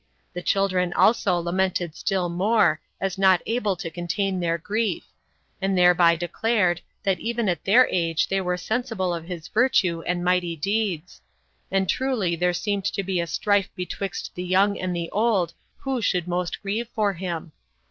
The children also lamented still more, as not able to contain their grief; and thereby declared, that even at their age they were sensible of his virtue and mighty deeds; and truly there seemed to be a strife betwixt the young and the old who should most grieve for him.